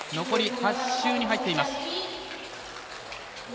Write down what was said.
残り８周に入っています。